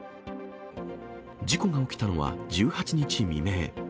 事故が起きたのは、１８日未明。